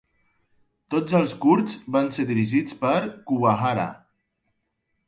Tots els curts van ser dirigits per Kuwahara.